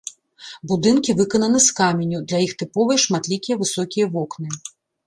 Будынкі выкананы з каменю, для іх тыповыя шматлікія высокія вокны.